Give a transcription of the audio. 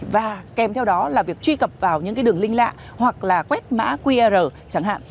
và kèm theo đó là việc truy cập vào những cái đường link lạ hoặc là quét mã qr chẳng hạn